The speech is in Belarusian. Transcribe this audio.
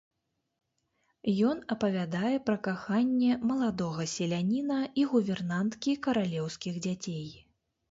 Ён апавядае пра каханне маладога селяніна і гувернанткі каралеўскіх дзяцей.